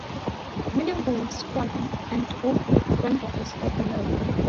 William Buell Sprague and both were granddaughters of the Rev.